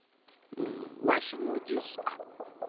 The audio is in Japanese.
「うんわしの術か」